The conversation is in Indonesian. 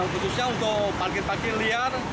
khususnya untuk parkir parkir liar